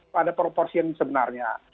pada proporsi yang sebenarnya